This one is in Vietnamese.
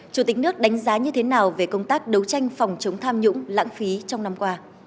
chủ tịch nước đánh giá như thế nào về công tác đấu tranh phòng chống tham nhũng lãng phí trong năm qua